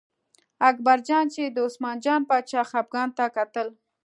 اکبرجان چې د عثمان جان باچا خپګان ته کتل.